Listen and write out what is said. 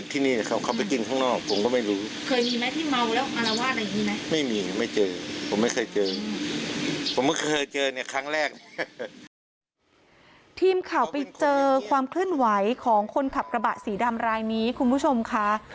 ทีมข่าวไปเจอความเคลื่อนไหวของคนขับกระบะสีดำรายนี้คุณผู้ชมค่ะ